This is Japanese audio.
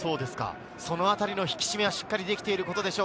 そのあたりの引き締めはしっかりできていることでしょう。